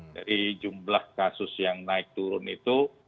dari jumlah kasus yang naik turun itu